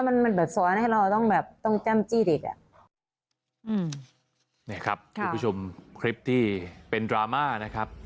มันมันแบบสอนให้เราต้องแบบต้องจ้ำจี้เด็กอ่ะอืมเนี่ยครับคุณผู้ชมคลิปที่เป็นดราม่านะครับ